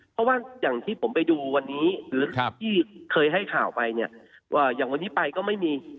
เพราะว่าอย่างที่ผมไปดูวันนี้หรือที่เคยให้ข่าวไปเนี่ยอย่างวันนี้ไปก็ไม่มี